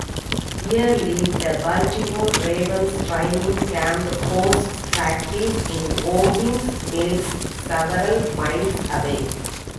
Yearly, the Baltimore Ravens Training camp hosts practice in Owings Mills, several miles away.